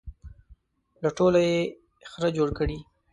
له ټولو یې خره جوړ کړي.